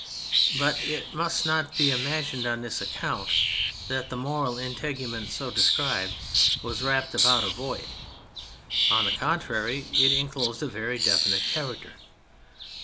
But it must not be imagined on this account that the moral integument so described was wrapped about a void. On the contrary^ it enclosed a very definite character.